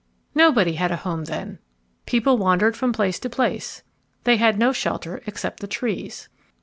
Nobody had a home then. People wandered from place to place. They had no shelter except the trees.